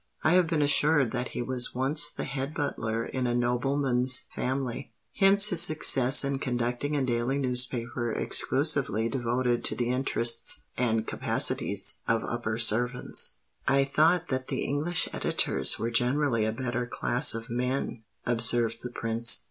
I have been assured that he was once the head butler in a nobleman's family: hence his success in conducting a daily newspaper exclusively devoted to the interests and capacities of upper servants." "I thought that English Editors were generally a better class of men?" observed the Prince.